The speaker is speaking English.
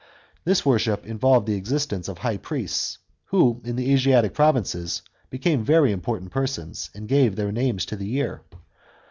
This worship involved the existence of high priests, who in the Asiatic provinces became very important persons, and gave their name to the year.